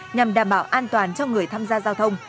nhằm đảm bảo an toàn cho người tham gia giao thông